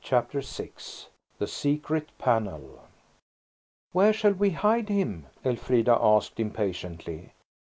CHAPTER VI THE SECRET PANEL "WHERE shall we hide him?" Elfrida asked impatiently.